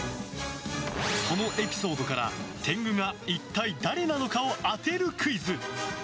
そのエピソードから、天狗が一体誰なのかを当てるクイズ。